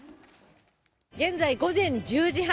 現在、午前１０時半。